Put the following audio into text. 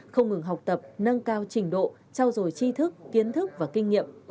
không ngừng học tập nâng cao trình độ trao dồi chi thức kiến thức và kinh nghiệm